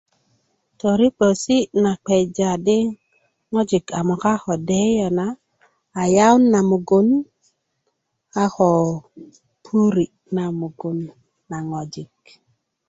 toripesi na kpeja di ŋwaji a möka ko deyiye na a yawun na mugun a ko puri' na mugun na ŋwajik